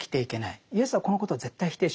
イエスはこのことを絶対否定しないですね。